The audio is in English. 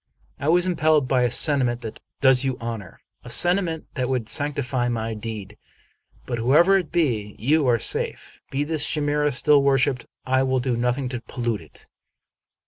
" I was impelled by a sentiment that does you honor ; a sentiment that would sanctify my deed ; but, whatever it be, you are safe. Be this chimera still worshiped ; I will do nothing to pollute it."